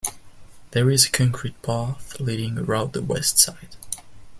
There is a concrete path leading around the west side.